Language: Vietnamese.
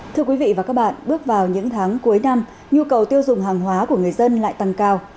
thưa quý vị và các bạn bước vào những tháng cuối năm nhu cầu tiêu dùng hàng hóa của người dân lại tăng cao